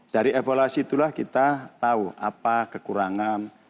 dari evaluasi itulah kita tahu apa kekurangan